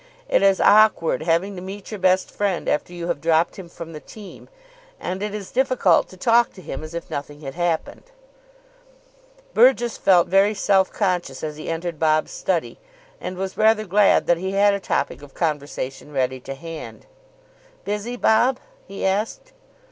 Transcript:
It is awkward having to meet your best friend after you have dropped him from the team, and it is difficult to talk to him as if nothing had happened. Burgess felt very self conscious as he entered Bob's study, and was rather glad that he had a topic of conversation ready to hand. "Busy, Bob?" he asked.